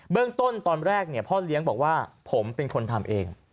เรื่องต้นตอนแรกพ่อเลี้ยงบอกว่าผมเป็นคนทำเอง